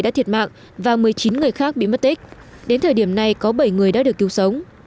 đã thiệt mạng và một mươi chín người khác bị mất tích đến thời điểm này có bảy người đã được cứu sống